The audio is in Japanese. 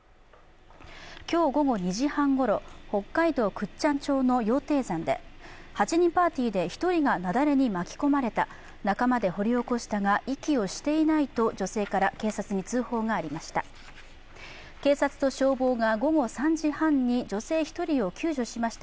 今日午後２時半ごろ、北海道倶知安町の羊蹄山で８人パーティーで１人が雪崩に巻き込まれた仲間で掘り起こしたが息をしていないと、女性から警察に通報がありました。